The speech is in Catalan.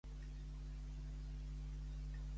Qui navegava a l'Holandès errant?